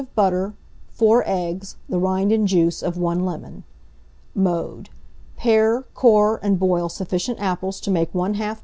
of butter, 4 eggs, the rind and juice of 1 lemon. Mode. Pare, core, and boil sufficient apples to make 1/2 lb.